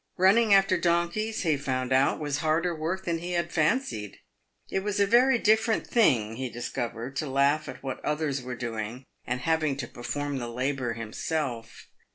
Eunning after donkeys he found out was harder work than he had fancied. It was a very different thing, he dis covered, to laugh at what others were doing, and having to perforin the labour himself.